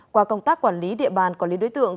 qua công tác quản lý địa bàn quản lý đối tượng